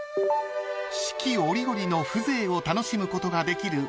［四季折々の風情を楽しむことができる］